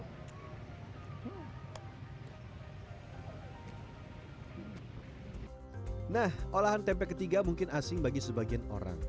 nah olahan tempe ketiga mungkin asing bagi sebagian orang